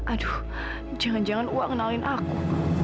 aduh jangan jangan uak kenalin aku